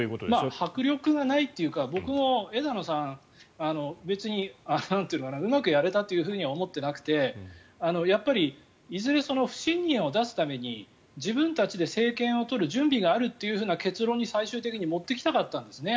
迫力がないというか僕も枝野さん別にうまくやれたとは思ってなくてやっぱりいずれ不信任案を出すために自分たちで政権を取る準備があるという結論に最終的に持っていきたかったんですね